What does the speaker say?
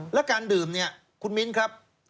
แล้วการดื่มเนี่ยคุณมิ้นครับ